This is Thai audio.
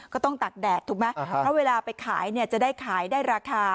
ก็ต้องตากแดดถูกไหมเพราะเวลาไปขายจะได้ขายได้ราคา